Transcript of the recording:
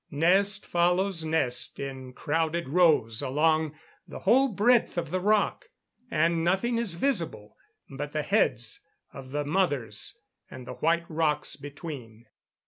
Nest follows nest in crowded rows along the whole breadth of the rock, and nothing is visible but the heads of the mothers and the white rocks between.